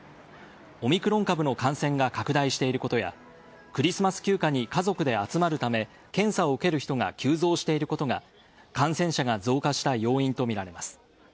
オミクロン株の感染が拡大していることやクリスマス休暇に家族で集まるため検査を受ける人が急増していることが感染者が増加した要因とみられます。